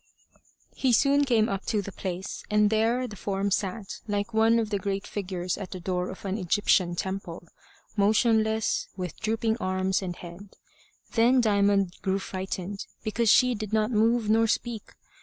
He soon came up to the place, and there the form sat, like one of the great figures at the door of an Egyptian temple, motionless, with drooping arms and head. Then Diamond grew frightened, because she did not move nor speak.